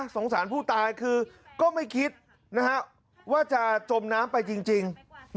สงสารผู้ตายคือก็ไม่คิดว่าจะจมน้ำไปจริง